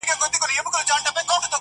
مور تر ټولو زياته ځورېږي تل,